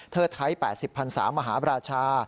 เทอดไทย๘๐๓๐๐มหาประชา